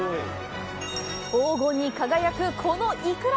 黄金に輝く、このイクラ。